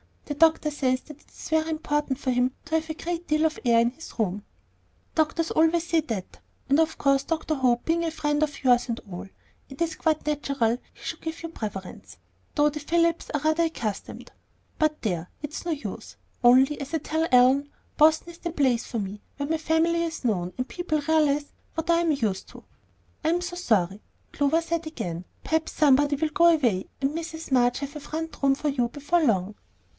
The doctor says that it's very important for him to have a great deal of air in his room." "Doctors always say that; and of course Dr. Hope, being a friend of yours and all It's quite natural he should give you the preference. Though the Phillips's are accustomed but there, it's no use; only, as I tell Ellen, Boston is the place for me, where my family is known, and people realize what I'm used to." "I'm so sorry," Clover said again. "Perhaps somebody will go away, and Mrs. Marsh have a front room for you before long."